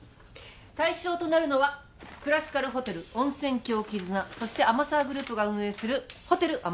対象となるのはクラシカルホテル温泉郷絆そして天沢グループが運営するホテル天沢。